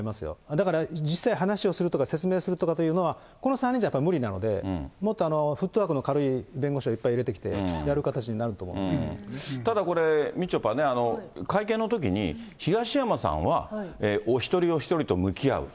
だから実際に話をするとか、説明するとかというのは、この３人じゃやっぱり無理なので、もっとフットワークの軽い弁護士をいっぱい入れてきて、やる形にただこれ、みちょぱね、会見のときに、東山さんは、お一人お一人と向き合う。